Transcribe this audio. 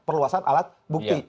perluasan alat bukti